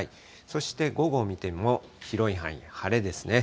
そして午後を見ても、広い範囲、晴れですね。